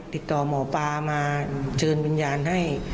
ติดต่อหมอปลามาเชิญวิญญาณให้